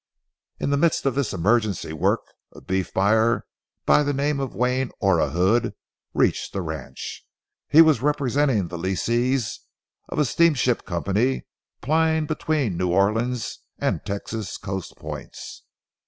In the midst of this emergency work a beef buyer by the name of Wayne Orahood reached the ranch. He was representing the lessees of a steamship company plying between New Orleans and Texas coast points.